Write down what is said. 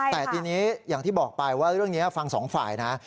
แต่ทีนี้อย่างที่บอกไปว่าเรื่องนี้ฟังสองฝ่ายนะ